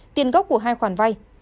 tiền gốc của hai khoản vai